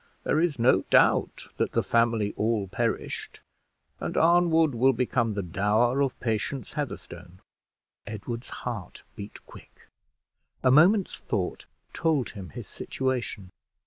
There is no doubt that the family all perished; and Arnwood will become the dower of Patience Heatherstone." Edward's heart beat quick. A moment's thought told him his situation.